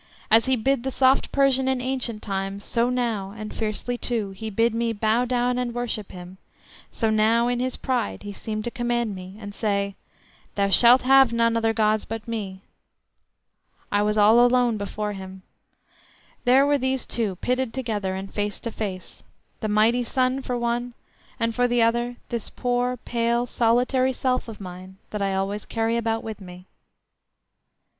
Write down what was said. As he bid the soft Persian in ancient times, so now, and fiercely too, he bid me bow down and worship him; so now in his pride he seemed to command me, and say, "Thou shalt have none other gods but me." I was all alone before him. There were these two pitted together, and face to face—the mighty sun for one, and for the other this poor, pale, solitary self of mine, that I always carry about with me.